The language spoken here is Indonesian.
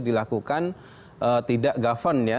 dilakukan tidak govern ya